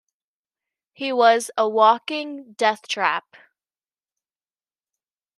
He was a walking death trap.